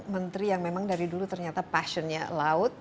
menteri yang memang dari dulu ternyata passion nya laut